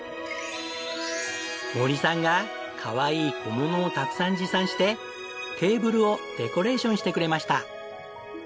森さんがかわいい小物をたくさん持参してテーブルをデコレーションしてくれました。